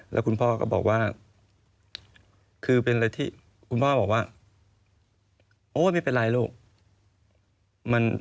แล้วคุณพ่อก็บอกว่าคุณพ่อบอกว่ามันเป็นอะไรลูก